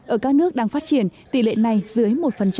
ở các nước đang phát triển tỷ lệ này dưới một